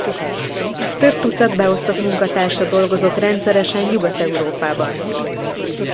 Több tucat beosztott munkatársa dolgozott rendszeresen Nyugat-Európában.